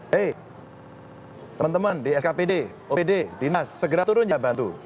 hei teman teman di skpd opd dinas segera turun ya bantu